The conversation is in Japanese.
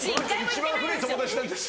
一番古い友達なんです。